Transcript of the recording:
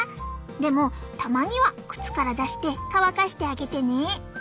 でもたまには靴から出して乾かしてあげてね。